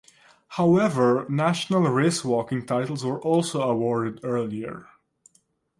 However national racewalking titles were also awarded earlier.